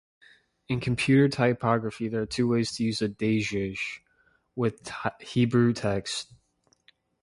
In computer typography there are two ways to use a dagesh with Hebrew text.